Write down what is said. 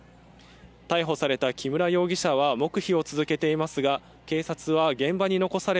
逮捕された木村容疑者は黙秘を続けていますが、警察は現場に残され